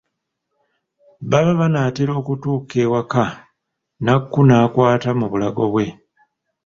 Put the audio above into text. Baba banaatera okutuuka ewaka, Nakku n'akwata mu bulago bwe.